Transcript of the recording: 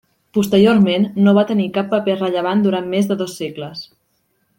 Posteriorment, no va tenir cap paper rellevant durant més de dos segles.